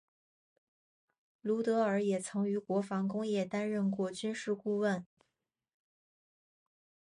鲁德尔也曾于国防工业担任过军事顾问。